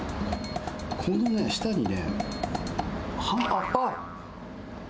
この下にね、あっ。